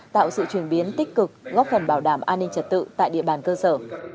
tạo sự chuyển biến tích cực góp phần bảo đảm an ninh trật tự tại địa bàn cơ sở